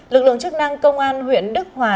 lực lượng chức năng công an huyện đức hòa